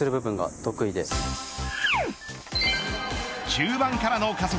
中盤からの加速。